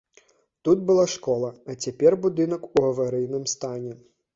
Тут была школа, а цяпер будынак у аварыйным стане.